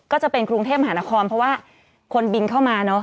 ก็จะเป็นกรุงเทพมหานครเพราะว่าคนบินเข้ามาเนอะ